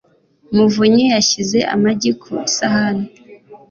muvunyi yashyize amagi ku isahani.